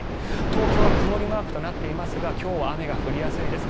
東京は曇りマークとなっていますが今日は雨が降りやすいです。